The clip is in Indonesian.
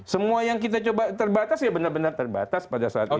semua yang kita coba terbatas ya benar benar terbatas pada saat itu